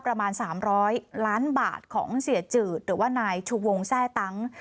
ประมาณ๓๐๐ล้านบาทของเสียจืดหรือว่านายชูวงแทร่ตั้ง